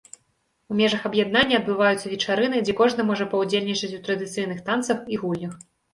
У межах аб'яднання адбываюцца вечарыны, дзе кожны можа паўдзельнічаць у традыцыйных танцах і гульнях.